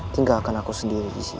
tinggalkan aku sendiri disini